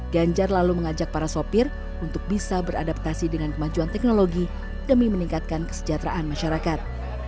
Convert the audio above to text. ganjar lalu mengajak para sopir untuk bisa beradaptasi dengan kemajuan teknologi demi meningkatkan kesejahteraan masyarakat